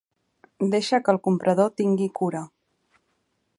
Deixa que el comprador tingui cura.